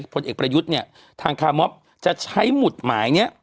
ผลเอกประยุทธ์เนี่ยทางคาร์มอบจะใช้หมุดหมายนี้